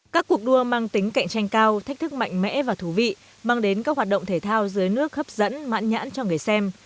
các cuộc đua mang tính cạnh tranh cao thách thức mạnh mẽ và thú vị mang đến các hoạt động thể thao dưới nước hấp dẫn mãn nhãn cho người xem